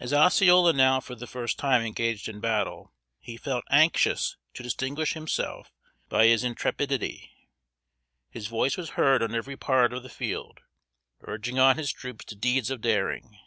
As Osceola now for the first time engaged in battle, he felt anxious to distinguish himself by his intrepidity. His voice was heard on every part of the field, urging on his troops to deeds of daring.